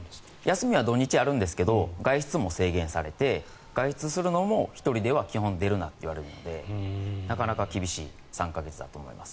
休みは土日あるんですが外出は制限されて外出するのも１人では基本出るなって言われるのでなかなか厳しい３か月だと思います。